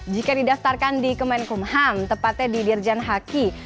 jika didaftarkan di kemenkum ham tepatnya di dirjan haki